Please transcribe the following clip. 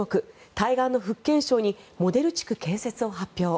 対岸の福建省にモデル地区建設を発表。